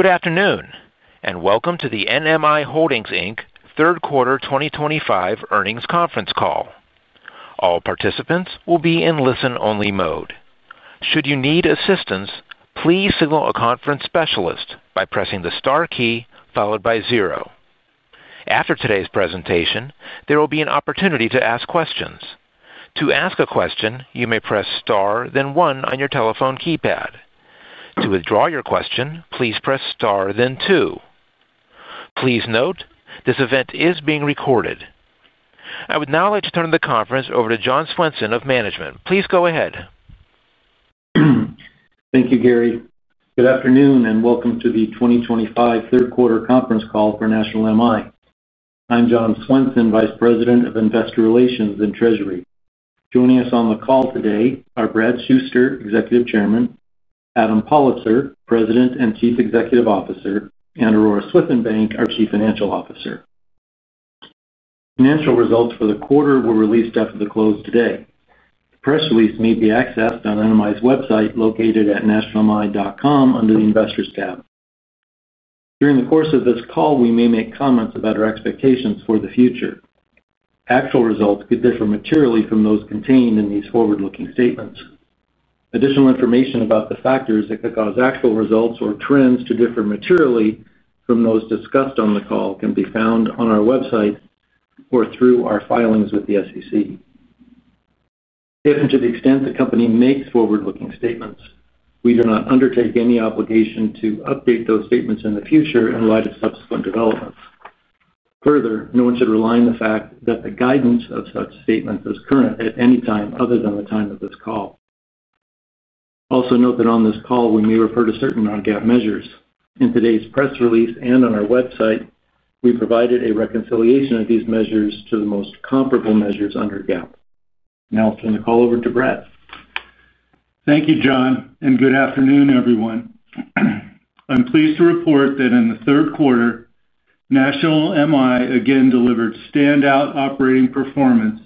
Good afternoon, and welcome to the NMI Holdings Inc. Q3 2025 earnings conference call. All participants will be in listen-only mode. Should you need assistance, please signal a conference specialist by pressing the star key followed by zero. After today's presentation, there will be an opportunity to ask questions. To ask a question, you may press star, then one on your telephone keypad. To withdraw your question, please press star, then two. Please note, this event is being recorded. I would now like to turn the conference over to Jon Swenson of Management. Please go ahead. Thank you, Gary. Good afternoon, and welcome to the 2025 Q3 conference call for NMI. I'm Jon Swenson, Vice President of Investor Relations and Treasury. Joining us on the call today are Brad Shuster, Executive Chairman; Adam Pollitzer, President and Chief Executive Officer; and Aurora Swithenbank, our Chief Financial Officer. Financial results for the quarter were released after the close today. The press release may be accessed on NMI's website located at nationalmi.com under the Investors tab. During the course of this call, we may make comments about our expectations for the future. Actual results could differ materially from those contained in these forward-looking statements. Additional information about the factors that could cause actual results or trends to differ materially from those discussed on the call can be found on our website or through our filings with the SEC. If and to the extent the company makes forward-looking statements, we do not undertake any obligation to update those statements in the future in light of subsequent developments. Further, no one should rely on the fact that the guidance of such statements is current at any time other than the time of this call. Also note that on this call, we may refer to certain non-GAAP measures. In today's press release and on our website, we provided a reconciliation of these measures to the most comparable measures under GAAP. Now I'll turn the call over to Brad. Thank you, Jon, and good afternoon, everyone. I'm pleased to report that in the Q3, NMI again delivered standout operating performance.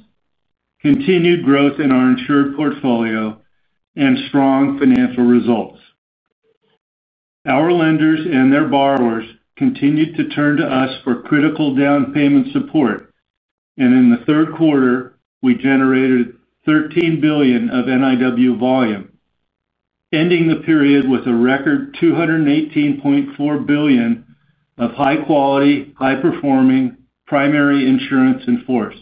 Continued growth in our insured portfolio, and strong financial results. Our lenders and their borrowers continued to turn to us for critical down payment support. And in the Q3, we generated $13 billion of NIW volume, ending the period with a record $218.4 billion of high-quality, high-performing primary insurance in force.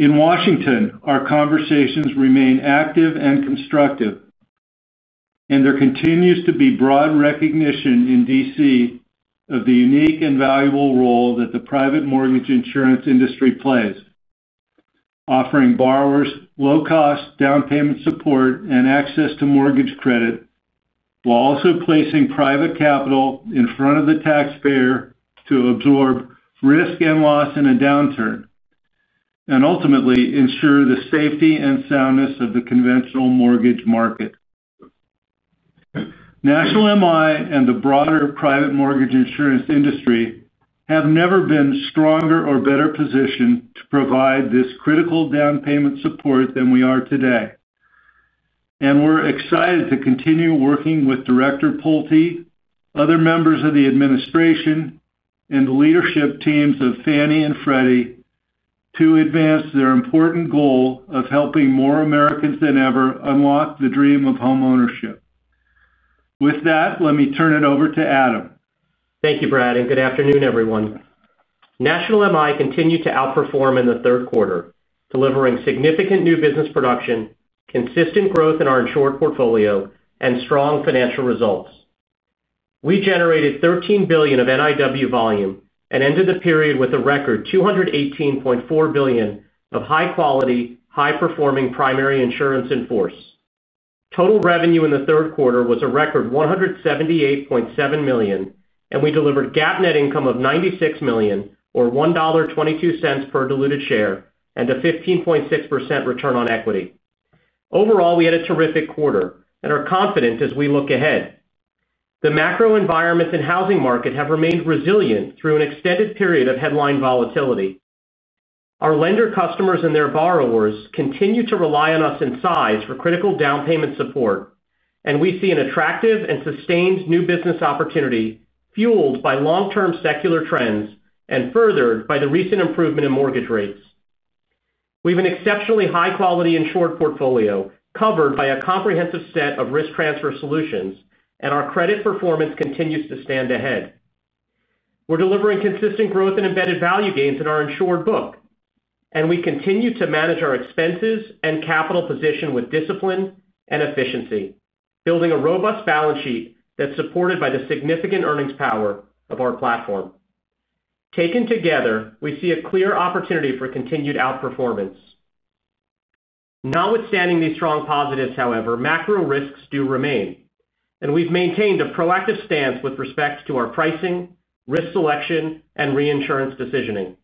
In Washington, our conversations remain active and constructive, and there continues to be broad recognition in D.C. of the unique and valuable role that the private mortgage insurance industry plays. Offering borrowers low-cost down payment support and access to mortgage credit, while also placing private capital in front of the taxpayer to absorb risk and loss in a downturn. And ultimately ensure the safety and soundness of the conventional mortgage market. NMI and the broader private mortgage insurance industry have never been stronger or better positioned to provide this critical down payment support than we are today. And we're excited to continue working with Director Polty, other members of the administration, and the leadership teams of Fannie and Freddie to advance their important goal of helping more Americans than ever unlock the dream of homeownership. With that, let me turn it over to Adam. Thank you, Brad, and good afternoon, everyone. NMI continued to outperform in the Q3, delivering significant new business production, consistent growth in our insured portfolio, and strong financial results. We generated $13 billion of NIW volume and ended the period with a record $218.4 billion of high-quality, high-performing primary insurance in force. Total revenue in the Q3 was a record $178.7 million, and we delivered GAAP net income of $96 million, or $1.22 per diluted share, and a 15.6% return on equity. Overall, we had a terrific quarter and are confident as we look ahead. The macro environment and housing market have remained resilient through an extended period of headline volatility. Our lender customers and their borrowers continue to rely on us in size for critical down payment support, and we see an attractive and sustained new business opportunity fueled by long-term secular trends and furthered by the recent improvement in mortgage rates. We have an exceptionally high-quality insured portfolio covered by a comprehensive set of risk transfer solutions, and our credit performance continues to stand ahead. We're delivering consistent growth and embedded value gains in our insured book, and we continue to manage our expenses and capital position with discipline and efficiency, building a robust balance sheet that's supported by the significant earnings power of our platform. Taken together, we see a clear opportunity for continued outperformance. Notwithstanding these strong positives, however, macro risks do remain, and we've maintained a proactive stance with respect to our pricing, risk selection, and reinsurance decisioning.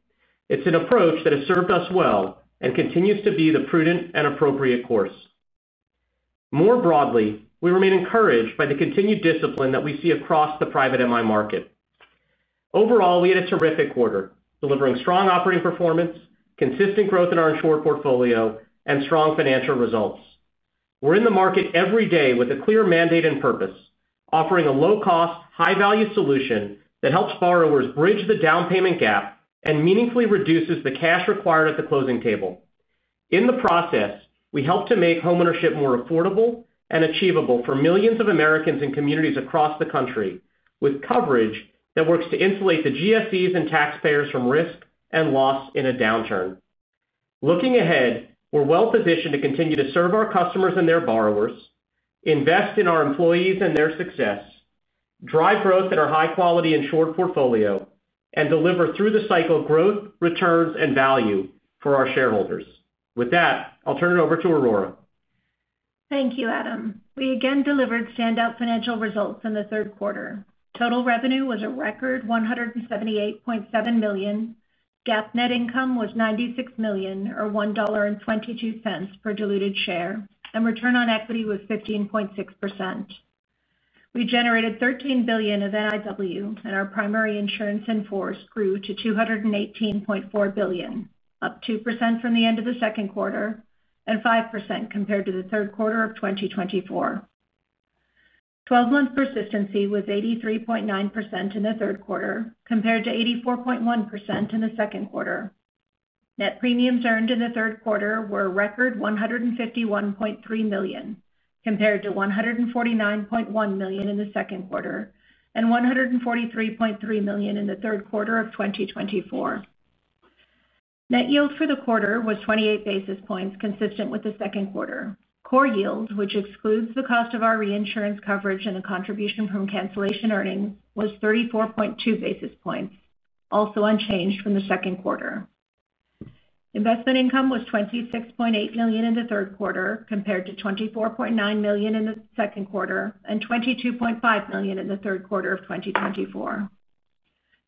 It's an approach that has served us well and continues to be the prudent and appropriate course. More broadly, we remain encouraged by the continued discipline that we see across the private MI market. Overall, we had a terrific quarter, delivering strong operating performance, consistent growth in our insured portfolio, and strong financial results. We're in the market every day with a clear mandate and purpose, offering a low-cost, high-value solution that helps borrowers bridge the down payment gap and meaningfully reduces the cash required at the closing table. In the process, we help to make homeownership more affordable and achievable for millions of Americans and communities across the country, with coverage that works to insulate the GSEs and taxpayers from risk and loss in a downturn. Looking ahead, we're well-positioned to continue to serve our customers and their borrowers, invest in our employees and their success. Drive growth in our high-quality insured portfolio, and deliver through the cycle growth, returns, and value for our shareholders. With that, I'll turn it over to Aurora. Thank you, Adam. We again delivered standout financial results in the Q3. Total revenue was a record $178.7 million, GAAP net income was $96 million, or $1.22 per diluted share, and return on equity was 15.6%. We generated $13 billion of NIW, and our primary insurance in force grew to $218.4 billion, up 2% from the end of the Q2 and 5% compared to the Q3 of 2024. 12-month persistency was 83.9% in the Q3, compared to 84.1% in the Q2. Net premiums earned in the Q3 were a record $151.3 million, compared to $149.1 million in the Q2 and $143.3 million in the Q3 of 2024. Net yield for the quarter was 28 basis points, consistent with the Q2. Core yield, which excludes the cost of our reinsurance coverage and the contribution from cancellation earnings, was 34.2 basis points, also unchanged from the Q2. Investment income was $26.8 million in the Q3, compared to $24.9 million in the Q2 and $22.5 million in the Q3 of 2024.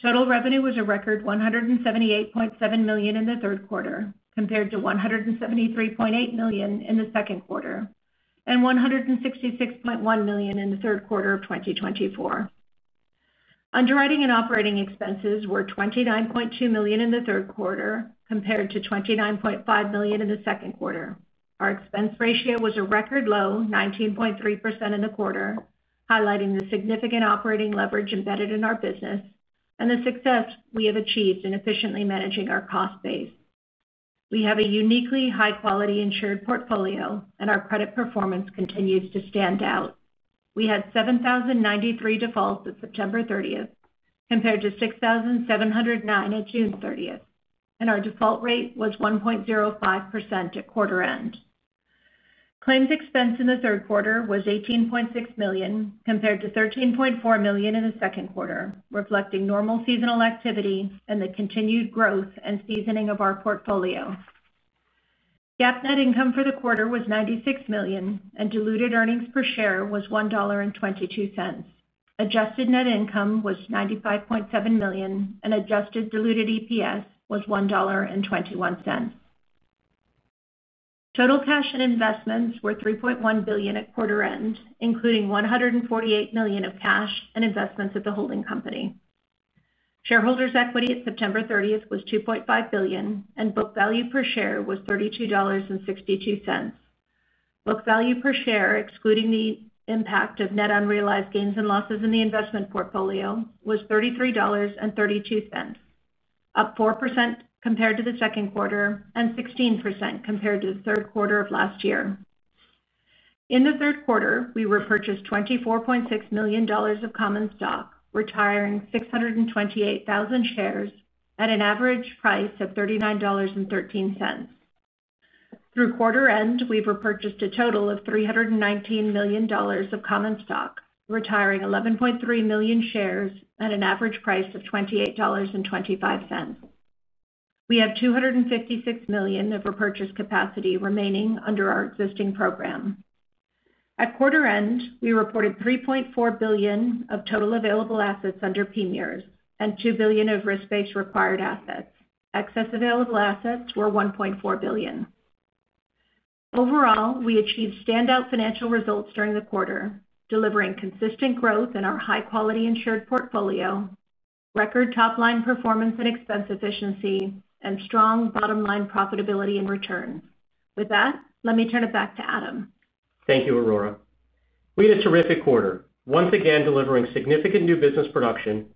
Total revenue was a record $178.7 million in the Q3, compared to $173.8 million in the Q2 and $166.1 million in the Q3 of 2024. Underwriting and operating expenses were $29.2 million in the Q3, compared to $29.5 million in the Q2. Our expense ratio was a record low, 19.3% in the quarter, highlighting the significant operating leverage embedded in our business and the success we have achieved in efficiently managing our cost base. We have a uniquely high-quality insured portfolio, and our credit performance continues to stand out. We had 7,093 defaults at September 30, compared to 6,709 at June 30, and our default rate was 1.05% at quarter end. Claims expense in the Q3 was $18.6 million, compared to $13.4 million in the Q2, reflecting normal seasonal activity and the continued growth and seasoning of our portfolio. GAAP net income for the quarter was $96 million, and diluted earnings per share was $1.22. Adjusted net income was $95.7 million, and adjusted diluted EPS was $1.21. Total cash and investments were $3.1 billion at quarter end, including $148 million of cash and investments at the holding company. Shareholders' equity at September 30 was $2.5 billion, and book value per share was $32.62. Book value per share, excluding the impact of net unrealized gains and losses in the investment portfolio, was $33.32. Up 4% compared to the Q2 and 16% compared to the Q3 of last year. In the Q3, we repurchased $24.6 million of common stock, retiring 628,000 shares at an average price of $39.13. Through quarter end, we've repurchased a total of $319 million of common stock, retiring 11.3 million shares at an average price of $28.25. We have $256 million of repurchase capacity remaining under our existing program. At quarter end, we reported $3.4 billion of total available assets under PMIERs and $2 billion of risk-based required assets. Excess available assets were $1.4 billion. Overall, we achieved standout financial results during the quarter, delivering consistent growth in our high-quality insured portfolio, record top-line performance and expense efficiency, and strong bottom-line profitability and returns. With that, let me turn it back to Adam. Thank you, Aurora. We had a terrific quarter, once again delivering significant new business production,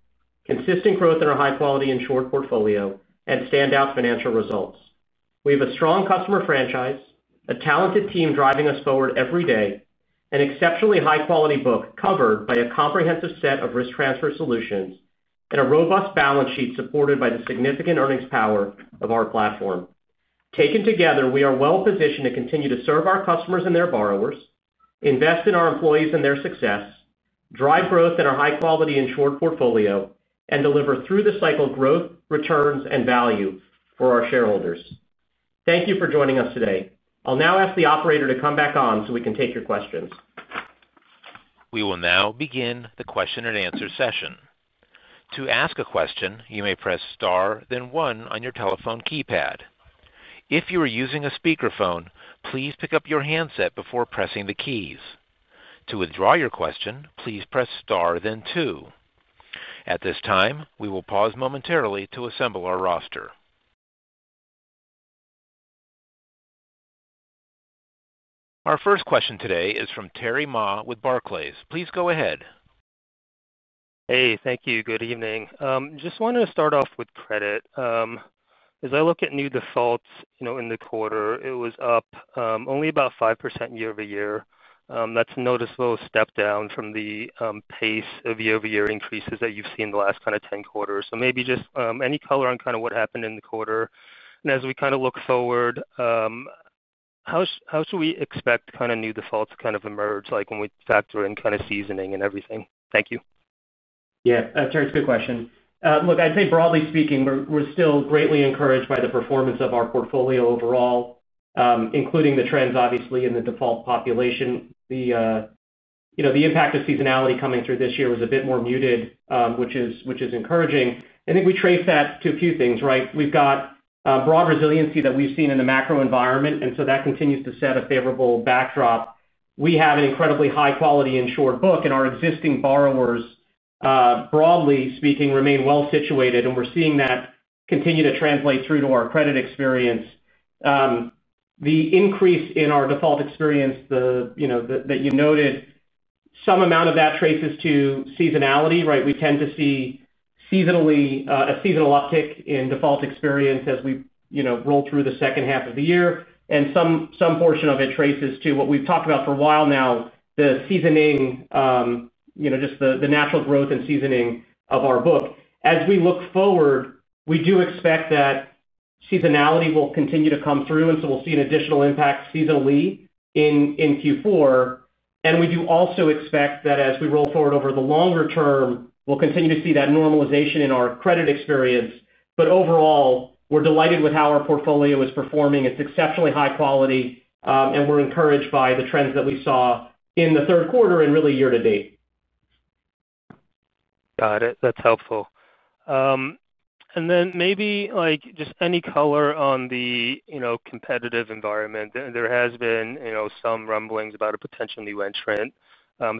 consistent growth in our high-quality insured portfolio, and standout financial results. We have a strong customer franchise, a talented team driving us forward every day, an exceptionally high-quality book covered by a comprehensive set of risk transfer solutions, and a robust balance sheet supported by the significant earnings power of our platform. Taken together, we are well-positioned to continue to serve our customers and their borrowers, invest in our employees and their success, drive growth in our high-quality insured portfolio, and deliver through the cycle growth, returns, and value for our shareholders. Thank you for joining us today. I'll now ask the operator to come back on so we can take your questions. We will now begin the question and answer session. To ask a question, you may press star, then one on your telephone keypad. If you are using a speakerphone, please pick up your handset before pressing the keys. To withdraw your question, please press star, then two. At this time, we will pause momentarily to assemble our roster. Our first question today is from Terry Ma with Barclays. Please go ahead. Hey, thank you. Good evening. Just wanted to start off with credit. As I look at new defaults in the quarter, it was up only about 5% year over year. That's a noticeable step down from the pace of year-over-year increases that you've seen the last kind of 10 quarters. So maybe just any color on kind of what happened in the quarter. And as we kind of look forward. How should we expect kind of new defaults to kind of emerge, like when we factor in kind of seasoning and everything? Thank you. Yeah, Terry, it's a good question. Look, I'd say broadly speaking, we're still greatly encouraged by the performance of our portfolio overall, including the trends, obviously, in the default population. The impact of seasonality coming through this year was a bit more muted, which is encouraging. I think we trace that to a few things, right? We've got broad resiliency that we've seen in the macro environment, and so that continues to set a favorable backdrop. We have an incredibly high-quality insured book, and our existing borrowers, broadly speaking, remain well-situated, and we're seeing that continue to translate through to our credit experience. The increase in our default experience that you noted, some amount of that traces to seasonality, right? We tend to see a seasonal uptick in default experience as we roll through the second half of the year, and some portion of it traces to what we've talked about for a while now, the seasoning, just the natural growth and seasoning of our book. As we look forward, we do expect that seasonality will continue to come through, and so we'll see an additional impact seasonally in Q4, and we do also expect that as we roll forward over the longer term, we'll continue to see that normalization in our credit experience, but overall, we're delighted with how our portfolio is performing. It's exceptionally high quality, and we're encouraged by the trends that we saw in the Q3 and really year to date. Got it. That's helpful. And then maybe just any color on the competitive environment. There has been some rumblings about a potential new entrant,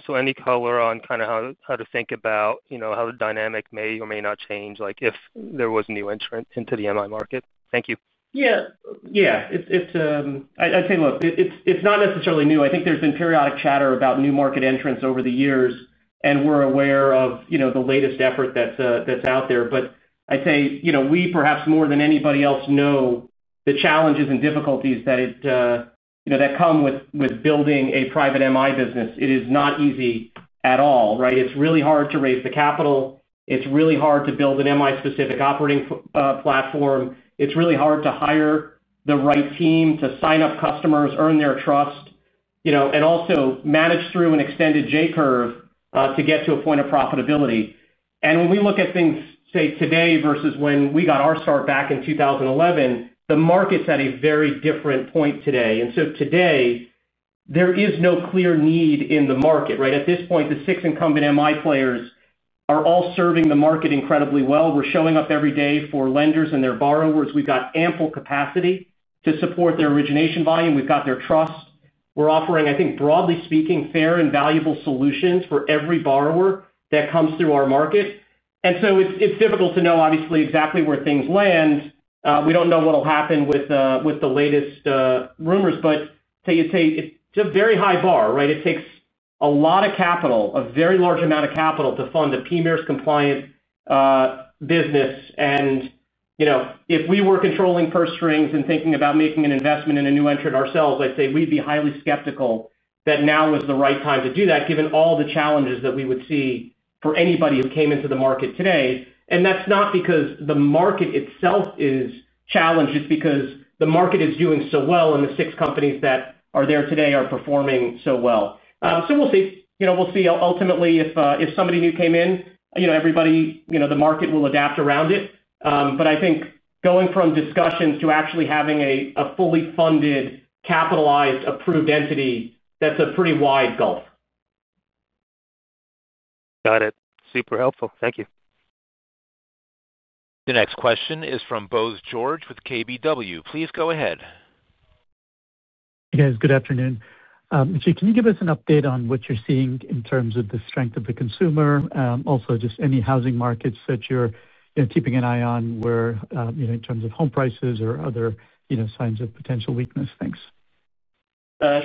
so any color on kind of how to think about how the dynamic may or may not change, like if there was a new entrant into the NMI market? Thank you. Yeah, yeah. I'd say, look, it's not necessarily new. I think there's been periodic chatter about new market entrants over the years, and we're aware of the latest effort that's out there. But I'd say we, perhaps more than anybody else, know the challenges and difficulties that come with building a private NMI business. It is not easy at all, right? It's really hard to raise the capital. It's really hard to build an NMI-specific operating platform. It's really hard to hire the right team, to sign up customers, earn their trust, and also manage through an extended J-curve to get to a point of profitability. When we look at things, say, today versus when we got our start back in 2011, the market's at a very different point today. So today there is no clear need in the market, right? At this point, the six incumbent NMI players are all serving the market incredibly well. We're showing up every day for lenders and their borrowers. We've got ample capacity to support their origination volume. We've got their trust. We're offering, I think, broadly speaking, fair and valuable solutions for every borrower that comes through our market. So it's difficult to know, obviously, exactly where things land. We don't know what'll happen with the latest rumors, but it's a very high bar, right? It takes a lot of capital, a very large amount of capital, to fund a PMIERs-compliant business. If we were controlling purse strings and thinking about making an investment in a new entrant ourselves, I'd say we'd be highly skeptical that now was the right time to do that, given all the challenges that we would see for anybody who came into the market today. That's not because the market itself is challenged. It's because the market is doing so well, and the six companies that are there today are performing so well. We'll see. We'll see. Ultimately, if somebody new came in, everybody, the market will adapt around it. But I think going from discussions to actually having a fully funded, capitalized, approved entity, that's a pretty wide gulf. Got it. Super helpful. Thank you. The next question is from Bose George with KBW. Please go ahead. Hey, guys. Good afternoon. Can you give us an update on what you're seeing in terms of the strength of the consumer? Also, just any housing markets that you're keeping an eye on. Where in terms of home prices or other signs of potential weakness? Thanks.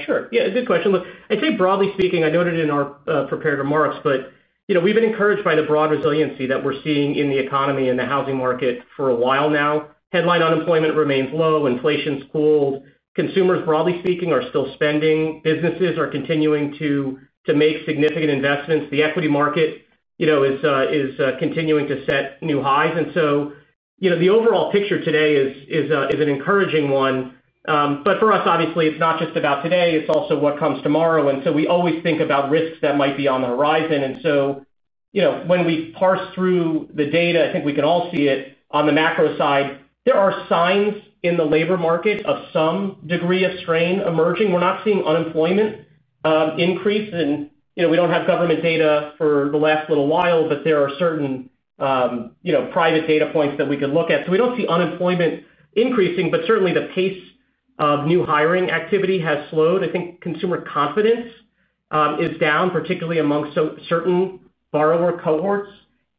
Sure. Yeah, good question. Look, I'd say broadly speaking, I noted in our prepared remarks, but we've been encouraged by the broad resiliency that we're seeing in the economy and the housing market for a while now. Headline unemployment remains low. Inflation's cooled. Consumers, broadly speaking, are still spending. Businesses are continuing to make significant investments. The equity market is continuing to set new highs, and so the overall picture today is an encouraging one, but for us, obviously, it's not just about today. It's also what comes tomorrow, and so we always think about risks that might be on the horizon, and so when we parse through the data, I think we can all see it. On the macro side, there are signs in the labor market of some degree of strain emerging. We're not seeing unemployment increase, and we don't have government data for the last little while, but there are certain private data points that we could look at, so we don't see unemployment increasing, but certainly the pace of new hiring activity has slowed. I think consumer confidence is down, particularly amongst certain borrower cohorts,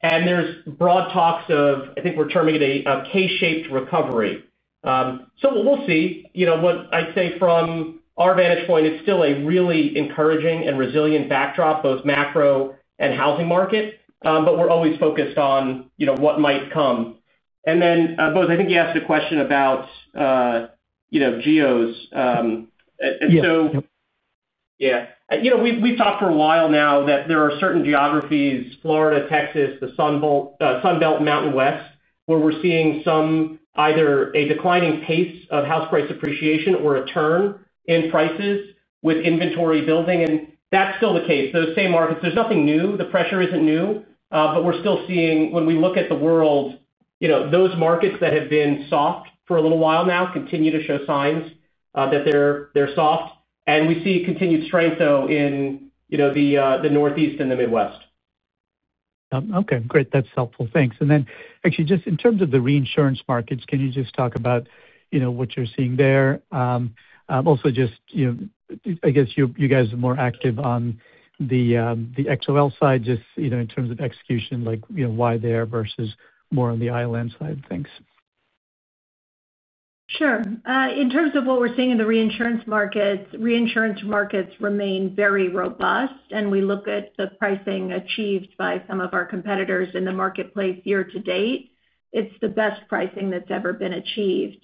and there's broad talks of, I think we're terming it a K-shaped recovery, so we'll see. What I'd say from our vantage point, it's still a really encouraging and resilient backdrop, both macro and housing market, but we're always focused on what might come, and then, Bose, I think you asked a question about geos, and so yeah. We've talked for a while now that there are certain geographies, Florida, Texas, the Sunbelt and Mountain West, where we're seeing either a declining pace of house price appreciation or a turn in prices with inventory building, and that's still the case. Those same markets, there's nothing new, the pressure isn't new, but we're still seeing, when we look at the world, those markets that have been soft for a little while now continue to show signs that they're soft, and we see continued strength, though, in the Northeast and the Midwest. Okay. Great. That's helpful. Thanks. And then, actually, just in terms of the reinsurance markets, can you just talk about what you're seeing there? Also, just. I guess you guys are more active on the XOL side, just in terms of execution, like why there versus more on the ILM side? Thanks. Sure. In terms of what we're seeing in the reinsurance markets, reinsurance markets remain very robust. And we look at the pricing achieved by some of our competitors in the marketplace year to date. It's the best pricing that's ever been achieved.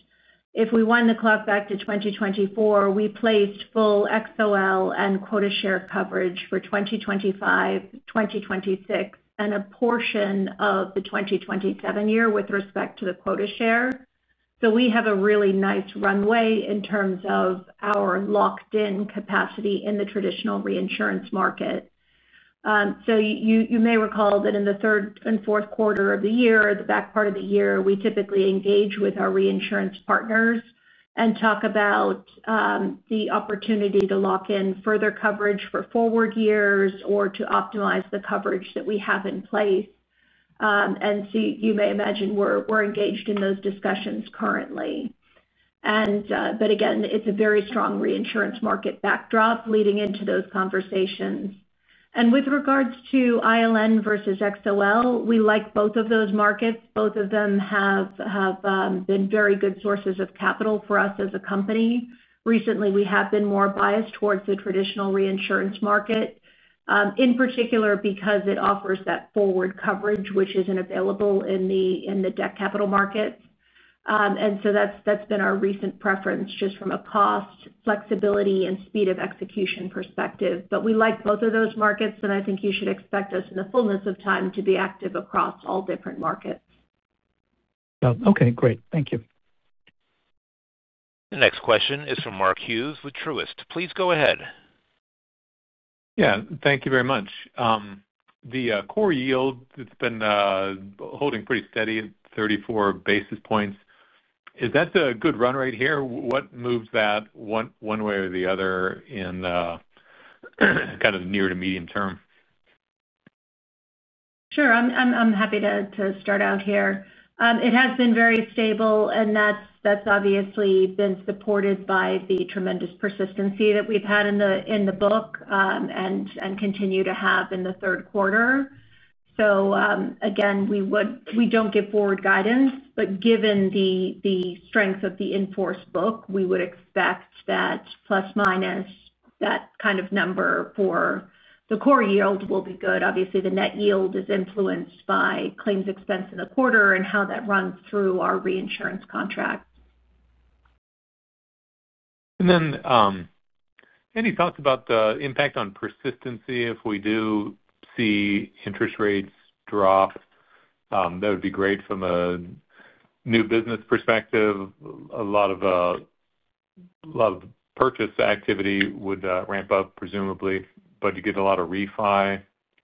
If we wind the clock back to 2024, we placed full XOL and quota share coverage for 2025, 2026, and a portion of the 2027 year with respect to the quota share. So we have a really nice runway in terms of our locked-in capacity in the traditional reinsurance market. So you may recall that in the third and fourth quarter of the year, the back part of the year, we typically engage with our reinsurance partners and talk about the opportunity to lock in further coverage for forward years or to optimize the coverage that we have in place. And so you may imagine we're engaged in those discussions currently. But again, it's a very strong reinsurance market backdrop leading into those conversations. And with regards to ILM versus XOL, we like both of those markets. Both of them have been very good sources of capital for us as a company. Recently, we have been more biased towards the traditional reinsurance market. In particular, because it offers that forward coverage, which isn't available in the debt capital markets. And so that's been our recent preference just from a cost, flexibility, and speed of execution perspective. But we like both of those markets, and I think you should expect us in the fullness of time to be active across all different markets. Okay. Great. Thank you. The next question is from Mark Hughes with Truist. Please go ahead. Yeah. Thank you very much. The core yield, it's been holding pretty steady at 34 basis points. Is that a good run rate here? What moves that one way or the other in kind of the near to medium term? Sure. I'm happy to start out here. It has been very stable, and that's obviously been supported by the tremendous persistency that we've had in the book and continue to have in the third quarter. So again, we don't give forward guidance, but given the strength of the in-force book, we would expect that plus-minus that kind of number for the core yield will be good. Obviously, the net yield is influenced by claims expense in the quarter and how that runs through our reinsurance contract. And then, any thoughts about the impact on persistency? If we do see interest rates drop, that would be great from a new business perspective. A lot of purchase activity would ramp up, presumably, but you get a lot of refi.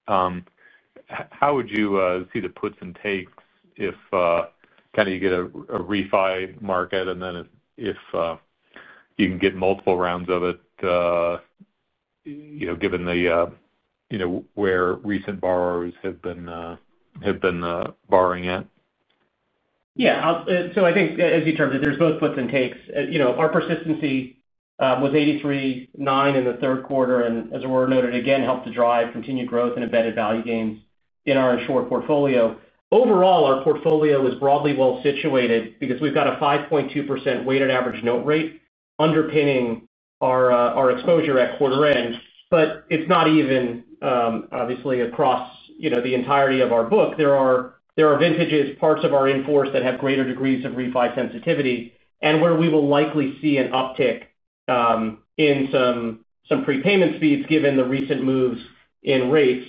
How would you see the puts and takes if kind of you get a refi market and then if you can get multiple rounds of it, given the where recent borrowers have been borrowing at? Yeah. So I think, as you termed it, there's both puts and takes. Our persistency was 83.9% in the third quarter, and as we've noted, again, helped to drive continued growth and embedded value gains in our insured portfolio. Overall, our portfolio is broadly well-situated because we've got a 5.2% weighted average note rate underpinning our exposure at quarter end. But it's not even, obviously, across the entirety of our book. There are vintages, parts of our in force that have greater degrees of refi sensitivity and where we will likely see an uptick. In some prepayment speeds given the recent moves in rates.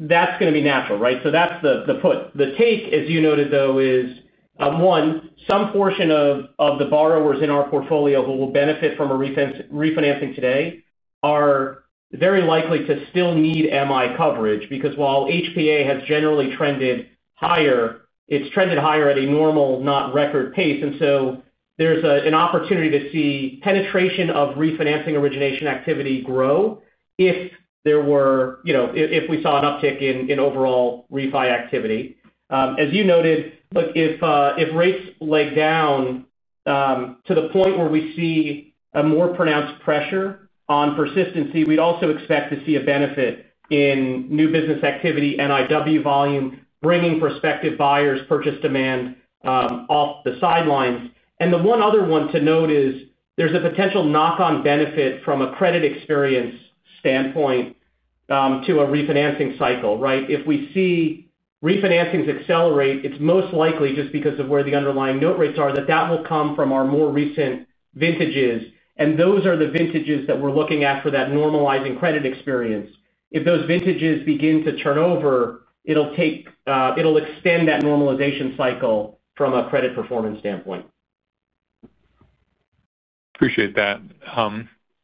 That's going to be natural, right? So that's the put. The take, as you noted, though, is. One, some portion of the borrowers in our portfolio who will benefit from refinancing today are very likely to still need MI coverage because while HPA has generally trended higher, it's trended higher at a normal, not record pace. And so there's an opportunity to see penetration of refinancing origination activity grow if there were, if we saw an uptick in overall refi activity. As you noted, look, if rates leg down. To the point where we see a more pronounced pressure on persistency, we'd also expect to see a benefit in new business activity, NIW volume, bringing prospective buyers' purchase demand. Off the sidelines. And the one other one to note is there's a potential knock-on benefit from a credit experience standpoint. To a refinancing cycle, right? If we see refinancings accelerate, it's most likely just because of where the underlying note rates are, that that will come from our more recent vintages. And those are the vintages that we're looking at for that normalizing credit experience. If those vintages begin to turn over, it'll extend that normalization cycle from a credit performance standpoint. Appreciate that.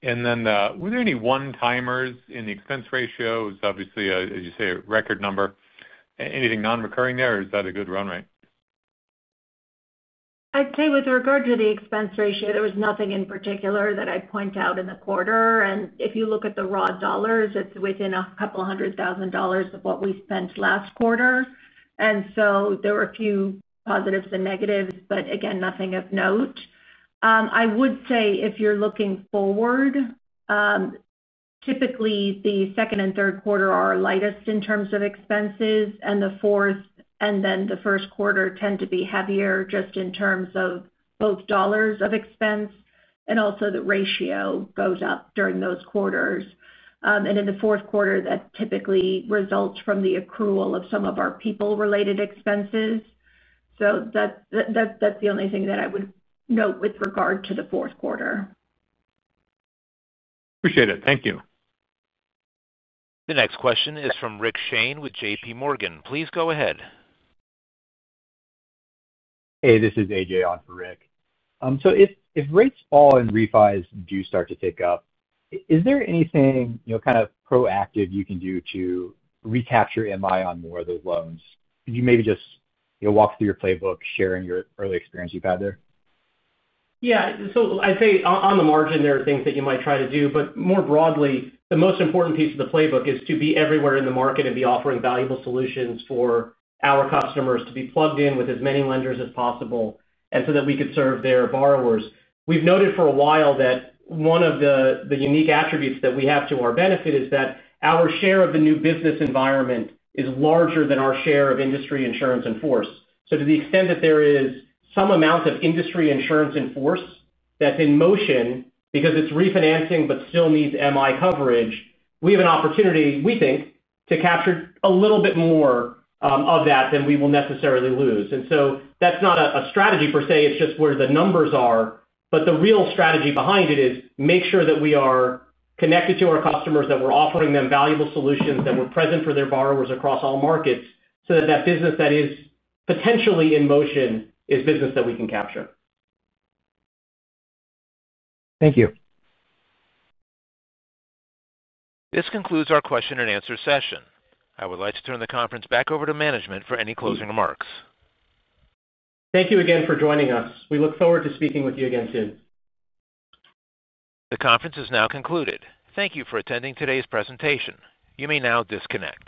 And then were there any one-timers in the expense ratio? It's obviously, as you say, a record number. Anything non-recurring there, or is that a good run rate? I'd say with regard to the expense ratio, there was nothing in particular that I'd point out in the quarter, and if you look at the raw dollars, it's within $200,000 of what we spent last quarter, and so there were a few positives and negatives, but again, nothing of note. I would say if you're looking forward, typically, the second and third quarter are lightest in terms of expenses, and the fourth and then the first quarter tend to be heavier just in terms of both dollars of expense, and also the ratio goes up during those quarters, and in the fourth quarter, that typically results from the accrual of some of our people-related expenses. So. That's the only thing that I would note with regard to the fourth quarter. Appreciate it. Thank you. The next question is from Rick Shane with JPMorgan. Please go ahead. Hey, this is AJ on for Rick. So if rates fall and refis do start to take up, is there anything kind of proactive you can do to recapture MI on more of those loans? Could you maybe just walk through your playbook, sharing your early experience you've had there? Yeah, so I'd say on the margin, there are things that you might try to do, but more broadly, the most important piece of the playbook is to be everywhere in the market and be offering valuable solutions for our customers to be plugged in with as many lenders as possible and so that we could serve their borrowers. We've noted for a while that one of the unique attributes that we have to our benefit is that our share of the new business environment is larger than our share of industry insurance in force, so to the extent that there is some amount of industry insurance in force that's in motion because it's refinancing but still needs MI coverage, we have an opportunity, we think, to capture a little bit more of that than we will necessarily lose, and so that's not a strategy per se. It's just where the numbers are, but the real strategy behind it is make sure that we are connected to our customers, that we're offering them valuable solutions, that we're present for their borrowers across all markets so that that business that is potentially in motion is business that we can capture. Thank you. This concludes our question and answer session. I would like to turn the conference back over to management for any closing remarks. Thank you again for joining us. We look forward to speaking with you again soon. The conference is now concluded. Thank you for attending today's presentation. You may now disconnect.